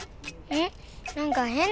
ん？